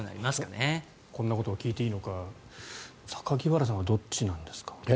こんなことを聞いていいのか榊原さんはどっちなんですか？